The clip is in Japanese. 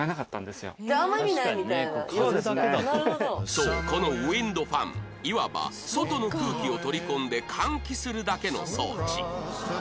そうこのウインドファンいわば外の空気を取り込んで換気するだけの装置